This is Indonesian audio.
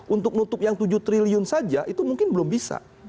untuk nutup yang tujuh triliun saja itu mungkin belum bisa